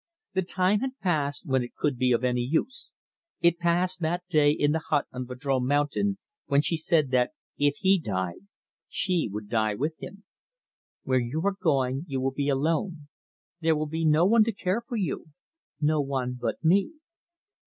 The time had passed when it could be of any use. It passed that day in the hut on Vadrome Mountain when she said that if he died, she would die with him "Where you are going you will be alone. There will be no one to care for you, no one but me."